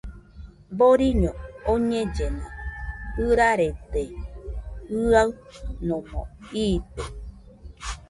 Boriño oñellena, ɨrarede jɨanomo iite..